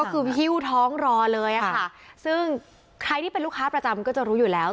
ก็คือหิ้วท้องรอเลยอะค่ะซึ่งใครที่เป็นลูกค้าประจำก็จะรู้อยู่แล้ว